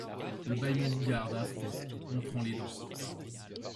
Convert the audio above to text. Le bâillement vous garde, affreux, montrant les dents.